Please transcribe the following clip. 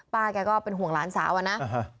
แกก็เป็นห่วงหลานสาวอะนะ